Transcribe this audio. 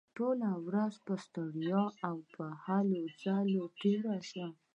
ټوله ورځ پر ستړیا او هلو ځلو تېره شوه